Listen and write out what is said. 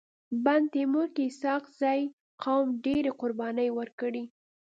بند تيمور کي اسحق زي قوم ډيري قرباني ورکړي.